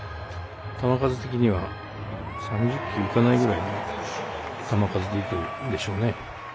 球数的には３０球いかないぐらいの球数でいくんでしょうね。